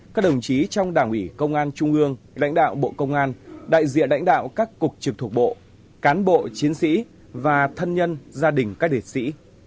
các đồng chí trong đảng ủy công an trung ương lãnh đạo bộ công an đại diện lãnh đạo các cục trực thuộc bộ cán bộ chiến sĩ và thân nhân gia đình các liệt sĩ